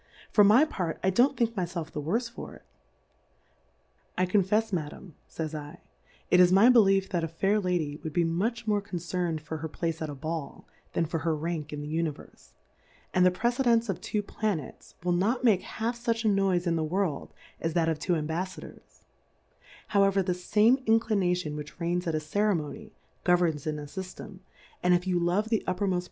For my part I don't think my ftlf the worfe for it. I confcfs, Madam, fays 7, it is my be lief^ that a fair Xady wou'd be much more concerned for her Place at a Ball, than for her Rank in the Univerfe ; and the Precedence of two Planets will not make half fach a Noife in the World, as that of two Ambaffadors ; however, the fame Inclination w^liich reigns at a Ceremony, governs in a Syitem; and if you love the uppermoft Place Plurality (?/ W O R L D S.